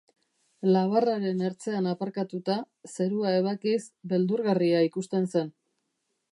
Labarraren ertzean aparkatuta, zerua ebakiz, beldurgarria ikusten zen.